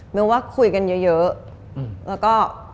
มิวว่าคุยกันเยอะแล้วก็